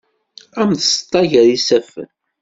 Am tseṭṭa gar yisaffen.